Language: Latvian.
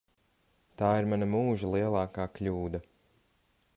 Tā ir mana mūža lielākā kļūda.